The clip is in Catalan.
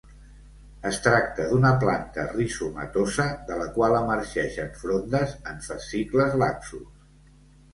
Es tracta d'una planta rizomatosa de la qual emergeixen frondes en fascicles laxos.